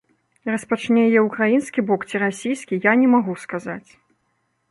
Распачне яе ўкраінскі бок ці расійскі, я не магу сказаць.